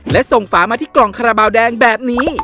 และส่งฝามาที่กล่องคาราบาลแดงแบบนี้